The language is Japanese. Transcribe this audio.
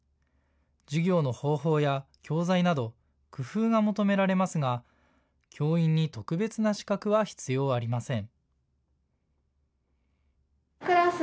授業の方法や教材など工夫が求められますが、教員に特別な資格は必要ありません。